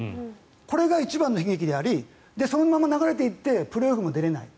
これが一番の悲劇でありそのまま流れていってプレーオフも出れない。